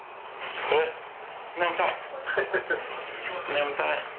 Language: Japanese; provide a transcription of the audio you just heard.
眠たい。